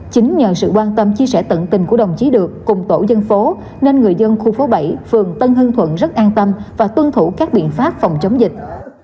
chính nhờ sự quan tâm chia sẻ tận tình của đồng chí được cùng tổ dân phố nên người dân khu phố bảy phường tân hương thuận rất an tâm và tuân thủ các biện pháp phòng chống dịch